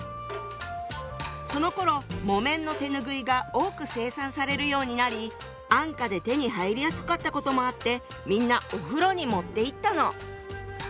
そのころ木綿の手拭いが多く生産されるようになり安価で手に入りやすかったこともあってみんなお風呂に持っていったの。